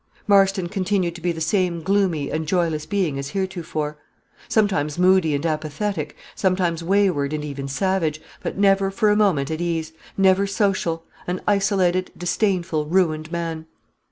Marston continued to be the same gloomy and joyless being as heretofore. Sometimes moody and apathetic, sometimes wayward and even savage, but never for a moment at ease, never social an isolated, disdainful, ruined man.